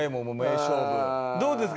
どうですか？